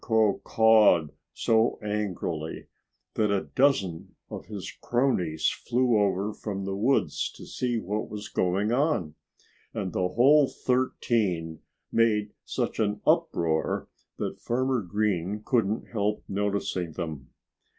Crow cawed so angrily that a dozen of his cronies flew over from the woods to see what was going on. And the whole thirteen made such an uproar that Farmer Green couldn't help noticing them.